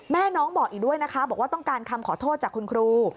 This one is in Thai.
น้องบอกอีกด้วยนะคะบอกว่าต้องการคำขอโทษจากคุณครู